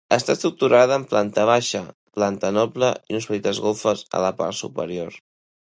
Està estructurada en planta baixa, planta noble i unes petites golfes a la part superior.